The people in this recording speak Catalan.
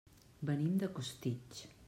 Venim de Costitx.